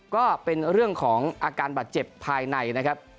ก็เป็นเรื่องของอาการบาดเจ็บภายในนะครับ